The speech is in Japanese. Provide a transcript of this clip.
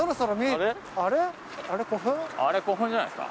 あれ古墳じゃないですか？